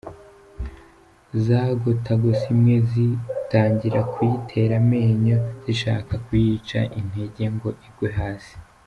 Zagotagose imwe zitangira kuyitera amenyo zishaka kuyica intege ngo igwe hasi.